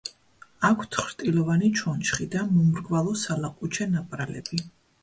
აქვთ ხრტილოვანი ჩონჩხი და მომრგვალო სალაყუჩე ნაპრალები.